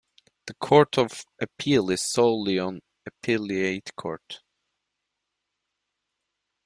The Court of Appeal is solely an appellate court.